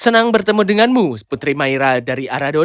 senang bertemu denganmu putri maira dari arado